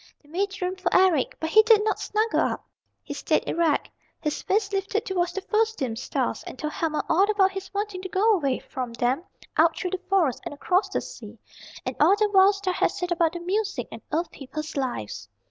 They made room for Eric. But he did not snuggle up. He stayed erect, his face lifted towards the first dim stars, and told Helma all about his wanting to go away from them out through the Forest and across the sea, and all that Wild Star had said about music and Earth People's lives.